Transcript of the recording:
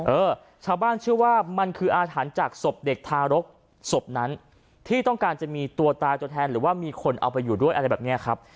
เออชาวบ้านเชื่อว่ามันคืออาถรรพ์จากศพเด็กทารกศพนั้นที่ต้องการจะมีตัวตายตัวแทนหรือว่ามีคนเอาไปอยู่ด้วยอะไรแบบนี้ครับ